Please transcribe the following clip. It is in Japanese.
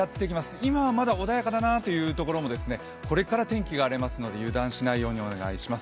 今はまだ穏やかだなというところも、これから天気が荒れますので油断しないようにお願いします。